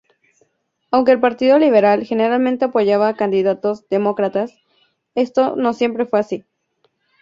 Aunque el Partido Liberal generalmente apoyaba candidatos demócratas, esto no siempre fue así.